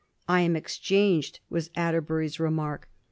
* I am exchanged,' was Atterbury's remark.